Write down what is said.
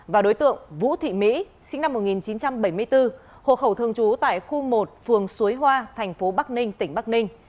và đối tượng vũ thị mỹ sinh năm một nghìn chín trăm bảy mươi bốn hộ khẩu thường trú tại khu một phường suối hoa thành phố bắc ninh tỉnh bắc ninh